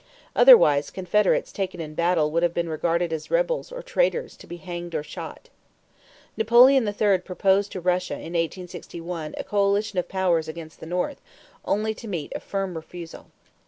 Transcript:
Otherwise Confederates taken in battle would have been regarded as "rebels" or "traitors" to be hanged or shot. Napoleon III proposed to Russia in 1861 a coalition of powers against the North, only to meet a firm refusal.